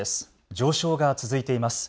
上昇が続いています。